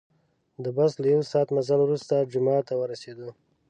د بس له یو ساعت مزل وروسته جومات ته ورسیدو.